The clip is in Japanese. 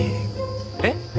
えっ？